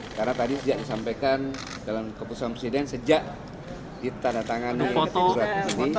karena tadi sejak disampaikan dalam keputusan presiden sejak ditandatangani di urat ini